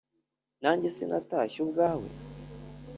nanjye sinatashye ubwawe!